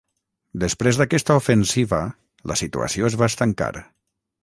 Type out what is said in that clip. Després d'aquesta ofensiva la situació es va estancar.